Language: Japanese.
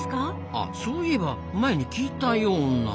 あそういえば前に聞いたような。